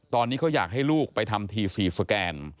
ตอนนี้เขาอยากให้ลูกไปทำทีซีสแกน